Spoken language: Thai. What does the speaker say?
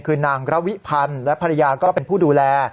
คือนางระวิพันธ์และภรรยาก็เป็นผู้ดูแล